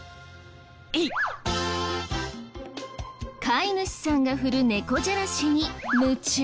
飼い主さんが振る猫じゃらしに夢中の猫。